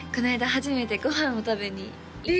初めてご飯を食べにええっ！？